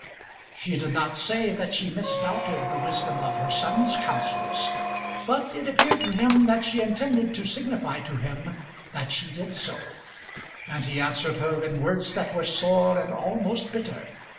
She did not say that she misdoubted the wisdom of her son's counsels; but it appeared to him that she intended to signify to him that she did so, and he answered her in words that were sore and almost bitter.